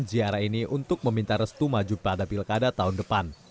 ziarah ini untuk meminta restu maju pada pilkada tahun depan